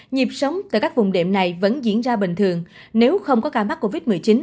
nhịp sống tại các vùng đệm này vẫn diễn ra bình thường nếu không có ca mắc covid một mươi chín